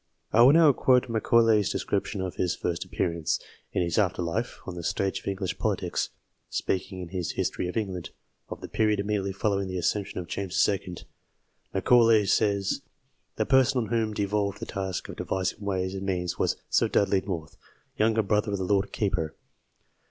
I will now quote Macaulay's description of his first appearance, in his after life, on the stage of English politics. Speaking, in his " History of England," of the period immediately following the accession of James II., Macaulay says " The person on whom devolved the task of devising ways and means was Sir Dudley North, younger brother of the Lord Keeper.